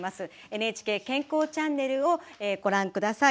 「ＮＨＫ健康チャンネル」をご覧ください。